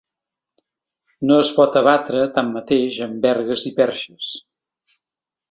No es pot abatre tanmateix amb vergues i perxes.